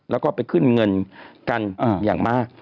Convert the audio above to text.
แล้วก็ไปขึ้นเงินกันอย่างมาก